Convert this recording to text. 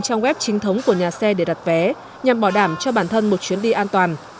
trong web chính thống của nhà xe để đặt vé nhằm bảo đảm cho bản thân một chuyến đi an toàn